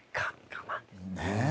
ねえ。